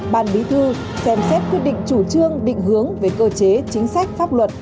ban bí thư xem xét quyết định chủ trương định hướng về cơ chế chính sách pháp luật